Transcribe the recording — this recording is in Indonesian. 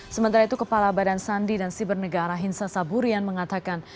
sementara itu kepala badan sandi dan siber negara hinsa saburian mengatakan